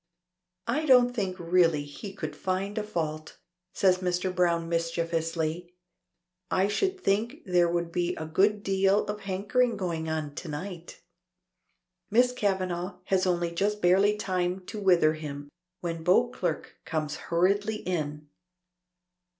"I don't think really he could find a fault," says Mr. Browne mischievously. "I should think there will be a good deal of hankering going on to night." Miss Kavanagh has only just barely time to wither him, when Beauclerk comes hurriedly in.